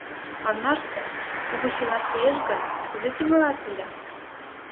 Манмаште, угыч илаш лиеш гын, кузе тӱҥалат ыле?